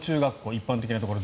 一般的なところ